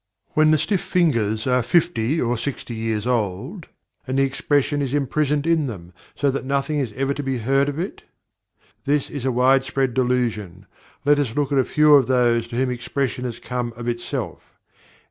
When the stiff fingers are fifty or sixty years old, and the expression is imprisoned in them, so that nothing is ever to be heard of it? This is a wide spread delusion. Let us look at a few of those to whom expression has come of itself.